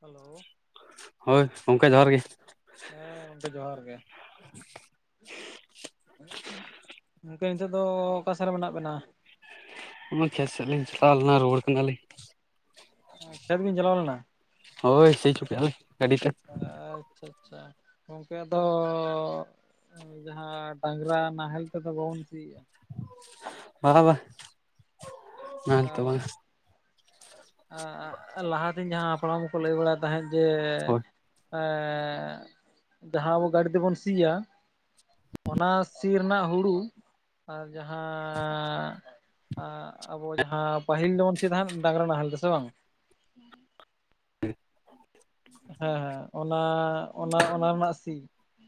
Hello! ᱦᱳᱭ, ᱜᱚᱢᱠᱮ ᱡᱚᱦᱟᱨ ᱜᱮ ᱾ ᱦᱮᱸ, ᱜᱚᱝᱠᱮ ᱡᱚᱦᱟᱨ ᱜᱮ [inaudible] [unintelligible] ᱜᱚᱢᱠᱮ ᱱᱤᱛᱳᱜ ᱫᱚ ᱚᱠᱟᱥᱮᱫ ᱨᱮ ᱢᱮᱱᱟᱜ ᱵᱮᱱᱟ᱾ ᱱᱚᱜᱚᱭ ᱠᱷᱮᱛ ᱥᱮᱫ ᱞᱤᱧ ᱪᱟᱞᱟᱣ ᱞᱮᱱᱟ ᱨᱩᱣᱟᱹᱲ ᱠᱟᱱᱟᱞᱤᱧ ᱾ [unintelligible] ᱠᱷᱮᱛᱜᱤᱧ ᱪᱟᱞᱟᱣ ᱞᱮᱱᱟ ᱾ ᱦᱳᱭ, ᱥᱤᱪᱚ ᱠᱮᱜᱼᱟᱹᱧ ᱜᱟᱹᱰᱤ ᱛᱮ᱾ ᱟᱪᱪᱷᱟ [inaudible] ᱟᱪᱪᱷᱟ ᱜᱚᱝᱠᱮ ᱟᱫᱚᱻ ᱡᱟᱦᱟᱸ ᱰᱟᱝᱨᱟ ᱱᱟᱦᱮᱞ ᱛᱮᱫᱚ ᱵᱟᱵᱚᱱ ᱥᱤᱭᱮᱜᱼᱟ᱾ [unintelligible] ᱵᱟ ᱛᱚ ᱵᱟᱝ᱾ [unintelligible] ᱞᱟᱦᱟᱛᱮᱧ ᱡᱟᱦᱟᱸ ᱦᱟᱯᱲᱟᱢ ᱠᱚᱠᱚ ᱞᱟᱹᱭ ᱵᱟᱲᱟᱭ ᱛᱟᱦᱮᱸᱫ ᱡᱮᱻ ᱦᱳᱭ [unintelligible] ᱡᱟᱦᱟᱸ ᱟᱵᱚ ᱜᱟᱹᱰᱤ ᱛᱮᱵᱚᱱ ᱥᱤᱭᱟ᱾ ᱚᱱᱟ ᱥᱤ ᱨᱮᱱᱟᱜ ᱦᱩᱲᱩ ᱟᱨ ᱡᱟᱦᱟᱸᱻ [unintelligible] ᱟᱵᱚ ᱡᱟᱦᱟᱸ ᱯᱟᱹᱦᱤᱞ ᱡᱮᱢᱚᱱ ᱥᱤ ᱛᱟᱦᱮᱸᱫ ᱰᱟᱝᱨᱟ ᱱᱟᱦᱮᱞᱛᱮ ᱥᱮ ᱵᱟᱝᱼᱟ᱾ ᱦᱮᱸ ᱦᱮᱸ ᱚᱱᱟ ᱚᱱᱟ-ᱚᱱᱟ ᱨᱮᱱᱟᱜ ᱥᱤ᱾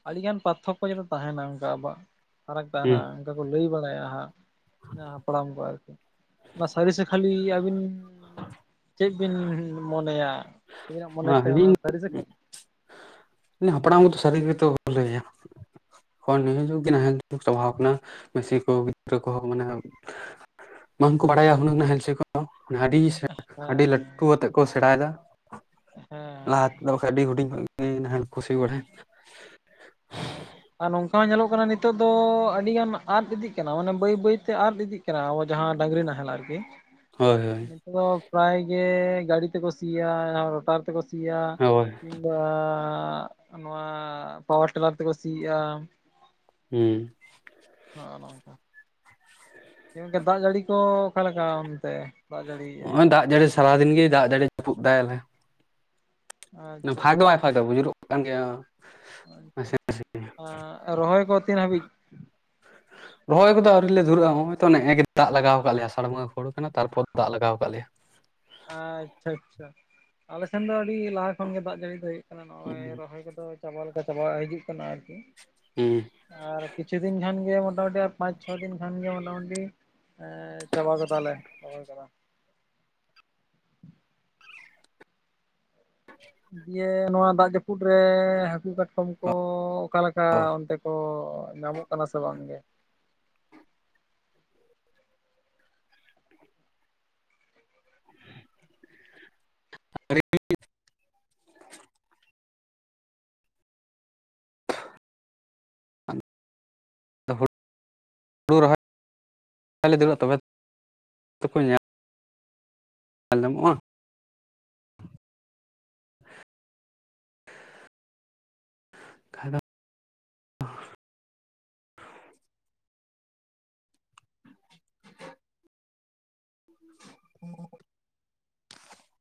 ᱟᱹᱰᱤᱜᱟᱱ ᱯᱟᱨᱛᱷᱚᱠᱚ ᱡᱮᱱᱚ, ᱛᱟᱦᱮᱱᱟ ᱚᱱᱠᱟ ᱟᱵᱚᱣᱟᱜ ᱯᱷᱟᱨᱟᱠ ᱛᱟᱦᱮᱱᱟ ᱦᱩᱸ ᱚᱱᱠᱟ ᱠᱚ ᱞᱟᱹᱭ ᱵᱟᱲᱟᱭᱟ ᱦᱟᱸᱜ᱾ ᱱᱚᱣᱟ ᱦᱟᱯᱲᱟᱢ ᱠᱚᱣᱟᱜ ᱠᱟᱛᱷᱟ [unintelligible] ᱥᱟᱹᱨᱤ ᱥᱮ ᱠᱷᱟᱹᱞᱤ ᱟᱹᱵᱤᱱ [inaudible] ᱪᱮᱫ ᱵᱤᱱ [unintelligible] ᱢᱚᱱᱮᱭᱟ ᱟᱹᱵᱤᱱᱟᱜ ᱢᱟ ᱢᱚᱱᱮᱛᱮ ᱚᱱᱟ ᱥᱟᱹᱨᱤ ᱥᱮ ᱠᱷᱟᱹᱞᱤ ᱾ ᱚᱱᱮ ᱦᱟᱯᱲᱟᱢ ᱠᱚᱫᱚ ᱥᱟᱹᱨᱤ ᱜᱮᱛᱚᱠᱚ ᱞᱟᱹᱭᱟ ᱾ [inaudible] ᱦᱮᱞ ᱪᱟᱵᱟᱣ ᱠᱟᱱᱟ ᱠᱚ᱾ ᱜᱤᱫᱽᱨᱟᱹ ᱠᱚᱦᱚᱸ ᱢᱟᱱᱮ ᱵᱟᱝ ᱠᱩ ᱵᱟᱲᱟᱭᱟ ᱦᱩᱱᱳ ᱱᱟᱦᱮᱞ ᱫᱤ ᱠᱚ᱾ ᱟᱹᱰᱤ ᱟᱹᱰᱤ ᱦᱮᱸ ᱞᱟᱹᱴᱩ ᱟᱛᱮᱜ ᱠᱚ ᱥᱮᱬᱟᱭ ᱮᱫᱟ, ᱦᱮᱸ ᱞᱟᱦᱟ ᱛᱮᱫᱚ ᱟᱹᱰᱤ ᱦᱩᱰᱤᱧ ᱠᱷᱚᱱ ᱜᱮ ᱠᱷᱩᱥᱤ ᱵᱟᱲᱮ ᱦᱮ ᱟᱨ ᱱᱚᱝᱠᱟ ᱦᱚᱸ ᱧᱮᱞᱚᱜ ᱠᱟᱱᱟ᱾ ᱱᱤᱛᱚᱜ ᱫᱚ ᱟᱹᱰᱤ ᱜᱟᱱ ᱟᱫᱽ ᱤᱫᱤᱜ ᱠᱟᱱᱟ᱾ ᱵᱟᱹᱭ ᱵᱟᱹᱭ ᱛᱮ ᱟᱫᱽ ᱤᱫᱤᱜ ᱠᱟᱱᱟ᱾ ᱡᱟᱦᱟᱸ ᱰᱟᱹᱝᱜᱽᱨᱤ ᱱᱟᱦᱮᱞ ᱟᱨᱠᱤ᱾ ᱦᱳᱭ, ᱦᱳᱭ᱾ ᱱᱚ ᱫᱚ ᱯᱨᱟᱭ ᱜᱮ ᱜᱟᱹᱰᱤ ᱛᱮᱠᱚ ᱥᱤᱭᱟ, ᱨᱚᱴᱟᱨ ᱛᱮᱠᱚ ᱥᱤᱭᱟ ᱦᱳᱭ ᱠᱤᱢᱵᱟ ᱱᱚᱶᱟ ᱯᱟᱣᱟᱨ ᱴᱮ᱾ᱞᱟᱨ ᱛᱮᱠᱚ ᱥᱤ ᱟ ᱦᱩᱸ᱾ ᱦᱚᱸ ᱚᱱᱟᱠᱟ᱾ ᱜᱚᱝᱠᱮ ᱫᱟᱜ ᱡᱟᱹᱲᱤ ᱠᱚ ᱚᱠᱟ ᱞᱮᱠᱟ ᱚᱱᱛᱮ? ᱫᱟᱜ ᱡᱟᱹᱲᱤᱭᱮᱜᱼᱟᱭ ᱱᱚᱜᱼᱚᱭ ᱫᱟᱜ ᱡᱟᱹᱲᱤ ᱥᱟᱨᱟᱫᱤᱱ ᱜᱮ ᱫᱟᱜ ᱡᱟᱹᱲᱤ ᱡᱟᱹᱯᱩᱫ ᱮᱫᱟᱭ ᱟᱞᱮ᱾ ᱟᱪᱪᱷᱟ ᱯᱷᱟᱜ ᱫᱚ ᱵᱟᱭ ᱟᱪᱪᱷᱟ ᱯᱷᱟᱜ ᱮᱫᱟᱭ ᱵᱩᱡᱩᱨᱚᱜ ᱠᱟᱱ ᱜᱮᱭᱟ᱾ ᱱᱟᱥᱮ-ᱱᱟᱥᱮ᱾ ᱟᱸ ᱨᱚᱦᱚᱭ ᱠᱚ ᱛᱤᱱ ᱦᱟᱹᱵᱤᱡ [inaudible] ᱨᱚᱦᱚᱭ ᱠᱚᱫᱚ ᱟᱹᱣᱨᱤ ᱞᱮ ᱫᱷᱩᱨᱟᱹᱜᱼᱟ, ᱱᱚᱜᱼᱚᱭ ᱛᱚ ᱱᱮᱦᱮᱜᱮ ᱫᱟ ᱞᱟᱜᱟᱣᱟᱜ ᱞᱮᱭᱟ᱾ ᱟᱹᱥᱟᱲ ᱵᱚᱸᱜᱟ ᱦᱩᱲᱩ ᱠᱟᱱᱟ᱾ ᱛᱟᱨᱯᱚᱨ ᱫᱟᱜ ᱞᱟᱜᱟᱣ ᱟᱠᱟᱫ ᱞᱮᱭᱟ᱾ ᱟᱪᱪᱷᱟ ᱟᱪᱪᱷᱟ, ᱟᱞᱮᱥᱮᱱ ᱫᱚ ᱟᱹᱰᱤ ᱞᱟᱦᱟ ᱠᱷᱚᱱ ᱜᱮ ᱫᱟᱜ ᱡᱟᱹᱲᱤ ᱫᱚ ᱦᱩᱭᱩᱜ ᱠᱟᱱᱟ᱾ ᱱᱚᱜᱼᱚᱭ ᱦᱮᱸᱻ᱾ ᱨᱚᱦᱚᱭ ᱠᱚᱫᱚ ᱪᱟᱵᱟ ᱞᱮᱠᱟ ᱪᱟᱵᱟᱜ ᱦᱤᱡᱩᱜ ᱠᱟᱱᱟ ᱟᱨᱠᱤ᱾ ᱦᱩᱸ᱾ ᱟᱨ ᱠᱤᱪᱷᱩ ᱫᱤᱱ ᱠᱷᱟᱱ ᱜᱮ ᱢᱚᱴᱟᱢᱩᱴᱤ ᱯᱟᱸᱪ ᱪᱷᱚ ᱫᱤᱱ ᱠᱷᱟᱱ ᱜᱮ ᱢᱚᱴᱟ-ᱢᱩᱴᱤ ᱮᱸᱻ ᱪᱟᱵᱟ ᱠᱮᱫᱟᱞᱮ ᱪᱟᱵᱟ ᱜᱚᱫᱟ ᱞᱮ ᱨᱚᱦᱚᱭ ᱠᱚᱫᱚ᱾ ᱫᱤᱭᱮ ᱱᱚᱣᱟ ᱫᱟᱜ ᱡᱟᱹᱯᱩᱫ ᱨᱮ ᱦᱟᱹᱠᱩ ᱠᱟᱴᱠᱚᱢ ᱠᱚ ᱚᱠᱟ ᱞᱮᱠᱟ ᱚᱱᱛᱮ? ᱠᱚ ᱧᱟᱢᱚᱜ ᱠᱟᱱᱟ ᱥᱮ ᱵᱟᱝ ᱜᱮ? ᱟ [unintelligible] ᱦᱩᱲᱩ [inaudible] ᱨᱚᱦᱚᱭ [inaudible] ᱫᱩᱲᱩᱵ [inaudible] ᱛᱚᱵᱮ [inaudible] ᱧᱟᱢ ᱟᱸᱡᱚᱢᱚᱜᱼᱟ [inaudible] [unintelligible]